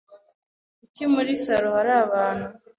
Kuki muri salo hari abantu?